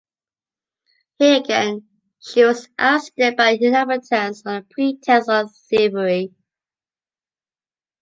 Here again, she was ousted by the inhabitants, on the pretext of thievery.